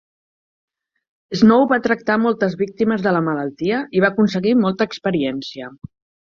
Snow va tractar moltes víctimes de la malaltia i va aconseguir molta experiència.